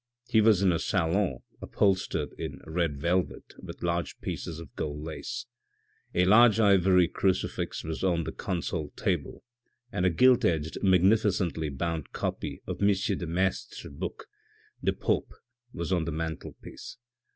He was in a salon upholstered in red velvet with large pieces of gold lace. A large ivory crucifix was on the consol table and a gilt edged, magnificently bound copy of M. de Maistre's book The Pope was on the mantelpiece.